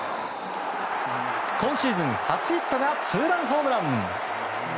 今シーズン初ヒットがツーランホームラン。